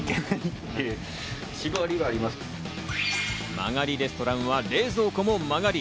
間借りレストランは冷蔵庫も間借り。